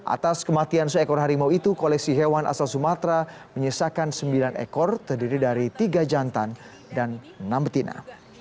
atas kematian seekor harimau itu koleksi hewan asal sumatera menyisakan sembilan ekor terdiri dari tiga jantan dan enam betina